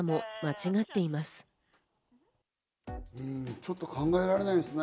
ちょっと考えられないですね。